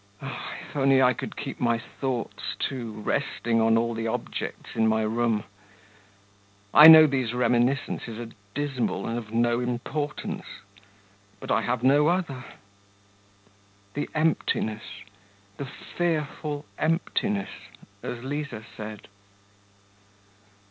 Ah, if I could only keep my thoughts, too, resting on all the objects in my room! I know these reminiscences are dismal and of no importance, but I have no other. 'The emptiness, the fearful emptiness!' as Liza said.